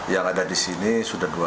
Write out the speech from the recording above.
yang ada di sini sudah dua puluh enam